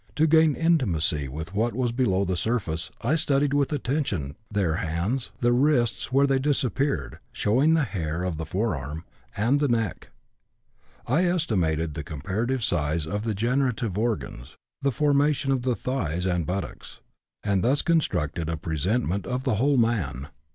To gain intimacy with what was below the surface I studied with attention their hands, the wrists where they disappeared (showing the hair of the forearm), and the neck; I estimated the comparative size of the generative organs, the formation of the thighs and buttocks, and thus constructed a presentment of the whole man.